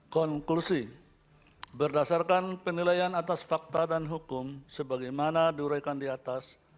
konklusi berdasarkan penilaian atas fakta dan hukum sebagaimana diuraikan di atas